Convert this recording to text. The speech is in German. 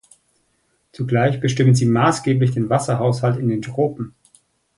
Zugleich bestimmen sie maßgeblich den Wasserhaushalt in den Tropen.